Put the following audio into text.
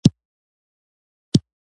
بیا ما یو ډیر وحشتناک چیغہ واوریده.